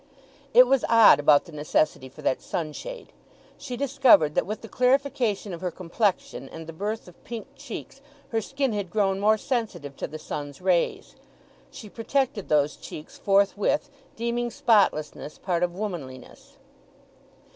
It was odd about the necessity for that sunshade. She discovered that with the clarification of her complexion and the birth of pink cheeks her skin had grown more sensitive to the sun's rays. She protected those cheeks forthwith, deeming spotlessness part of womanliness.